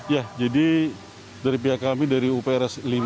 ya jadi dari pihak kami dari uprs lima